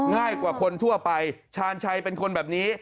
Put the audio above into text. ง่ายกว่าคนทั่วไปชาญชัยเป็นคนแบบนี้